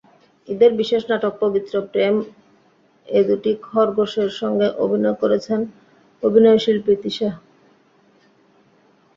ঈদের বিশেষ নাটক পবিত্র প্রেম-এ দুটি খরগোশের সঙ্গে অভিনয় করেছেন অভিনয়শিল্পী তিশা।